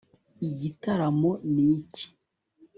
igitaramo ni iki